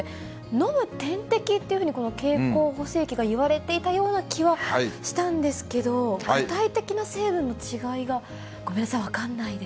飲む点滴っていうふうに、この経口補水液がいわれていたような気はしたんですけど、具体的な成分の違いが、ごめんなさい、分からないです。